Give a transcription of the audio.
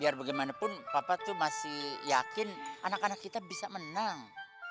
biar bagaimanapun papa tuh masih yakin anak anak kita bisa menang